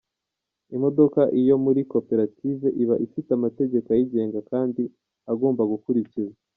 Imodoka iyo iri muri koperative iba ifite amategeko ayigenga kandi agomba gukurikizwa.